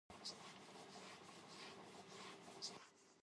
くどくどしくなくきっぱりしていること。また、そのさま。文章や人の性質などを評していう。